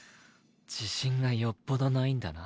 自信がよっぽどないんだな。